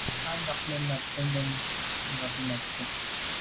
A ba nganabte mbèn mbe ngabàgte.